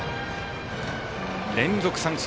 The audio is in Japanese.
連続三振。